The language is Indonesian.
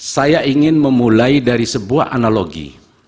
saya ingin memulai dari sebuah analogi